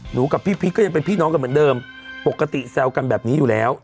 กับพี่พีชก็ยังเป็นพี่น้องกันเหมือนเดิมปกติแซวกันแบบนี้อยู่แล้ว